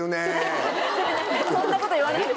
そんなこと言わないです。